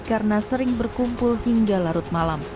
karena sering berkumpul hingga larut malam